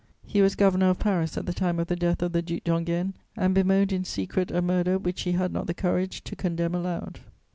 He was Governor of Paris at the time of the death of the Duc d'Enghien and bemoaned in secret a murder which he had not the courage to condemn aloud.